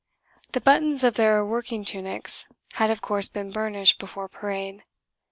The buttons of their working tunics had of course been burnished before parade.